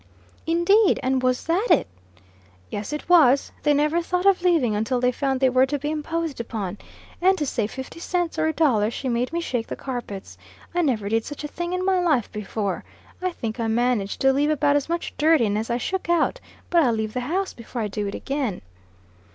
"Indade! and was that it?" "Yes, it was. They never thought of leaving until they found they were to be imposed upon; and, to save fifty cents or a dollar, she made me shake the carpets. I never did such a thing in my life before. I think I managed to leave about as much dirt in as I shook out. But I'll leave the house before I do it again."